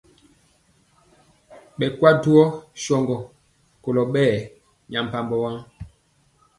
Ɓɛ nkye dwɔ sɔndɔ kolɔ ɓɛ nyampambɔ waŋ.